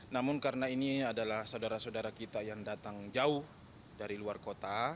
namun karena ini adalah saudara saudara kita yang datang jauh dari luar kota